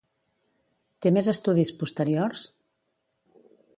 Té més estudis posteriors?